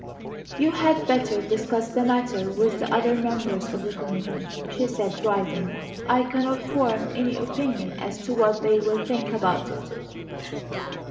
"You had better discuss the matter with the other members of the committee," she said, rising. "I cannot form any opinion as to what they will think about it."